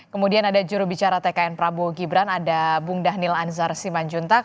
kemudian ada jurubicara tkn prabowo gibran ada bung dhanil anzar simanjuntak